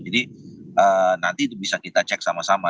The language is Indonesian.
jadi nanti itu bisa kita cek sama sama